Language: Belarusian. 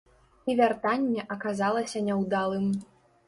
І вяртанне аказалася няўдалым.